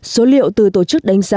số liệu từ tổ chức đánh giá